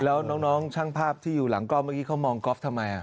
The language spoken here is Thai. แล้วน้องช่างภาพที่อยู่หลังกล้องเมื่อกี้เขามองก๊อฟทำไม